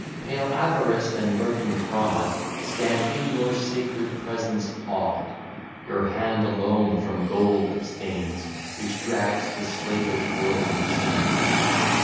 Pale Avarice and lurking Fraud, Stand in your sacred presence awed; Your hand alone from gold abstains, Which drags the slavish world in chains.